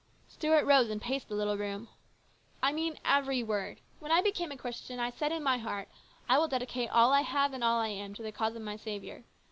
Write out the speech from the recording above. Stuart rose and paced the little room. " I mean every word. When I became a Christian, I said in my heart, * I will dedicate all I have and all I am to the cause of my Saviour.'